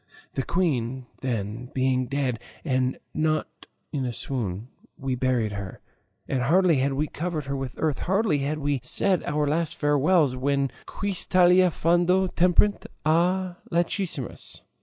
The queen, then, being dead, and not in a swoon, we buried her; and hardly had we covered her with earth, hardly had we said our last farewells, when, quis talia fando temperet a lachrymis?